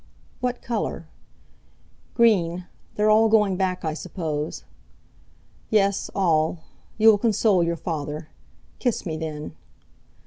"What colour?" "Green. They're all going back, I suppose." "Yes, all; you will console your father. Kiss me, then."